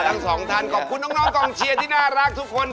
ทั้งสองท่านขอบคุณน้องกองเชียร์ที่น่ารักทุกคน